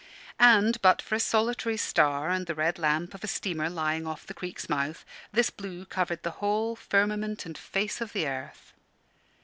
And, but for a solitary star and the red lamp of a steamer lying off the creek's mouth, this blue covered the whole firmament and face of the earth.